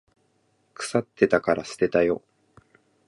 腐ってたから捨てたよ。